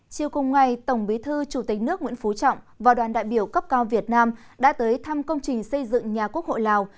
chiều cùng ngày tổng bí thư chủ tịch nước nguyễn phú trọng và đoàn đại biểu cấp cao việt nam đã tới thăm công trình xây dựng nhà quốc hội lào